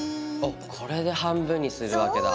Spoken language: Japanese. これで半分にするわけだ。